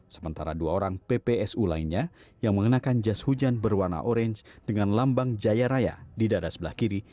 sementara dua orang ppsu lainnya yang mengenakan jas hujan berwarna orange dengan lambang jaya raya di dada sebelah kiri